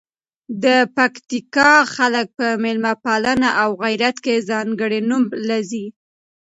د پکتیکا خلګ په میلمه پالنه او غیرت کې ځانکړي نوم لزي.